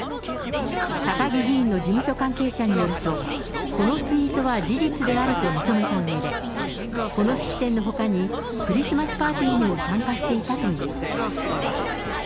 高木議員の事務所関係者によると、このツイートは事実であると認めたうえで、この式典のほかに、クリスマスパーティーにも参加していたという。